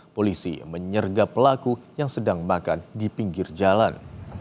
polisi menyerga pelaku yang sedang makan di pinggir jalan